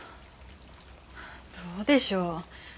どうでしょう？